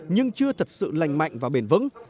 nhưng chưa thật sự lành mạnh và bền vững